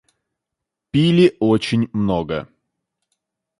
Пили очень много.